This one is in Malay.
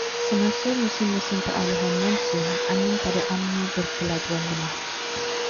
Semasa musim-musim peralihan monsun, angin pada amnya berkelajuan lemah.